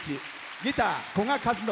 ギター、古賀和憲。